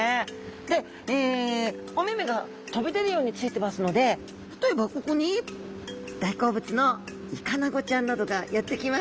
でお目目が飛び出るように付いてますので例えばここに大好物のイカナゴちゃんなどが寄ってきます。